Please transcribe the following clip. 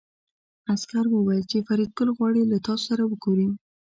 عسکر وویل چې فریدګل غواړي له تاسو سره وګوري